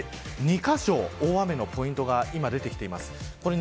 ２カ所、大雨のポイントが出てきています。